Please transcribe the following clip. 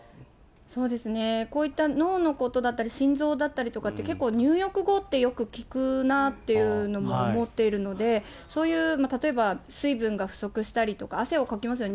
そうですね、こういった脳のことだったり、心臓だったりとかって、結構、入浴後って、よく聞くなっていうふうに思っているので、そういう例えば水分が不足したりとか、汗をかきますよね。